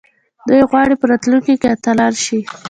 دوی غواړي په راتلونکي کې اتلان شي.